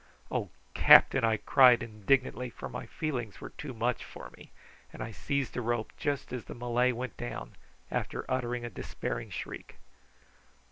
"Oh, captain!" I cried indignantly, for my feelings were too much for me; and I seized a rope just as the Malay went down, after uttering a despairing shriek.